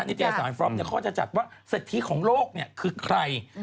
นิตยาศาลฟรอปเนี่ยเขาจะจัดว่าเศรษฐีของโลกเนี่ยคือใคร